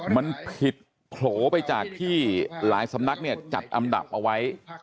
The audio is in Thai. มันผิดโผล่ไปจากที่หลายสำนักเนี่ยจัดอันดับเอาไว้